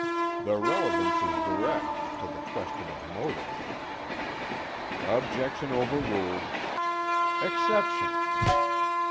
"The relevance is direct, to the question of motive." "Objection overruled." "Exception."